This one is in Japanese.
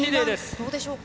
どうでしょうか？